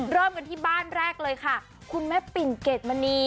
เริ่มกันที่บ้านแรกเลยค่ะคุณแม่ปิ่นเกรดมณี